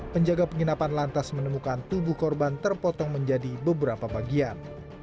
penjaga penginapan lantas menemukan tubuh korban terpotong menjadi beberapa bagian